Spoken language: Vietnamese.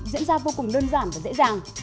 diễn ra vô cùng đơn giản và dễ dàng